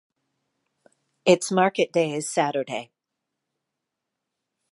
Its market day is Saturday.